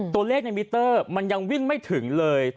ตัวเลขในมิเตอร์มันยังวิ่งไม่ถึงเลย